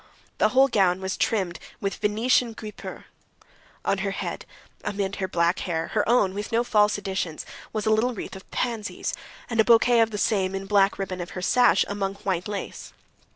The whole gown was trimmed with Venetian guipure. On her head, among her black hair—her own, with no false additions—was a little wreath of pansies, and a bouquet of the same in the black ribbon of her sash among white lace.